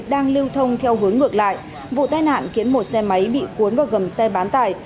đang lưu thông theo hướng ngược lại vụ tai nạn khiến một xe máy bị cuốn vào gầm xe bán tải